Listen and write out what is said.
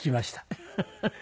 フフフフ。